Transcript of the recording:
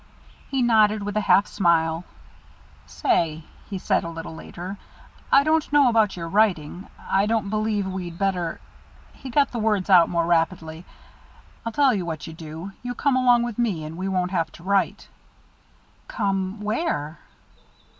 He nodded with a half smile. "Say," he said, a little later, "I don't know about your writing I don't believe we'd better " he got the words out more rapidly "I'll tell you what you do you come along with me and we won't have to write." "Come where?"